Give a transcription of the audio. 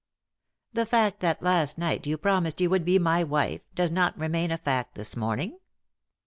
"The fact that last night you promised you would be my wife does not remain a fact this morning